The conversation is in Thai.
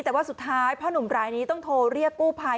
แต่ว่าสุดท้ายพ่อหนุ่มรายนี้ต้องโทรเรียกกู้ภัย